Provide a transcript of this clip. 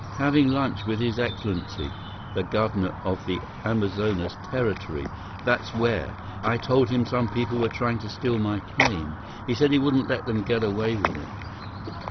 Having lunch with His Excellency, the governor of the Amazonas Territory, that's where. I told him some people were trying to steal my claim. He said he wouldn't let them get away with it.